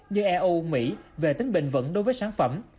như eu mỹ về tính bình vẩn đối với sản phẩm